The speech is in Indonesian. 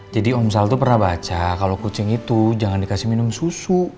jadi om sal pernah baca kalau kucing itu jangan dikasih minum susu